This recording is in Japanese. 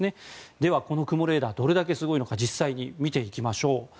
では雲レーダーがどれだけすごいのかを実際に見ていきましょう。